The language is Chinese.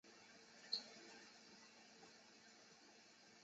职缺资讯